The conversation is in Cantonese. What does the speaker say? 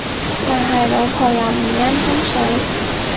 但係老婆又唔啱心水